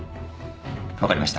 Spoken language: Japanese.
分かりました。